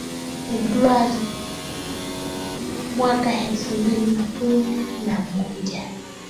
ebruari mwaka elfu mbili na kumi na moja